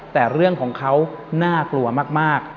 แต่เรื่องของเขาน่ากลัวมาก